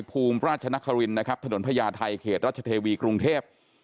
ภูมิราชนครินนะครับถนนพญาไทยเขตรัชเทวีกรุงเทพ